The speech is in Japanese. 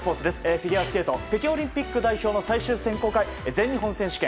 フィギュアスケート北京オリンピック代表の最終選考会、全日本選手権。